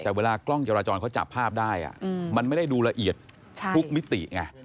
แต่เวลากล้องจราจรเขาจับภาพได้มันไม่ได้ดูละเอียดทุกมิติไง